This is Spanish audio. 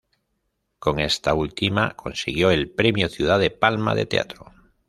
Con esta última consiguió el Premio Ciudad de Palma de Teatro.